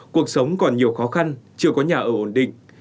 cuộc sống còn nhiều khó khăn chưa có nhà ở ổn định